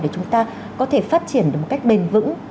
để chúng ta có thể phát triển được một cách bền vững